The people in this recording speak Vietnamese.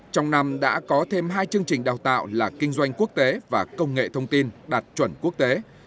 trong năm đã có thêm hai chương trình đào tạo là kinh doanh quốc tế và công nghệ thông tin đạt chuẩn quốc tế